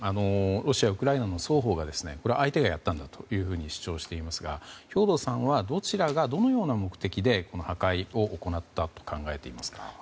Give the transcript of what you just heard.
ロシア、ウクライナの双方がこれは相手がやったんだと主張していますが兵頭さんはどちらが、どのような目的で破壊を行ったと考えていますか？